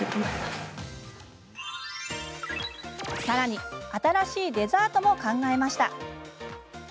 さらに新しいデザートも考えました。